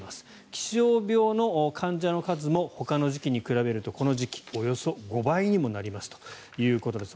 気象病の患者の数もほかの時期に比べるとこの時期、およそ５倍にもなりますということです。